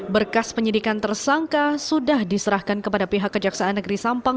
berkas penyidikan tersangka sudah diserahkan kepada pihak kejaksaan negeri sampang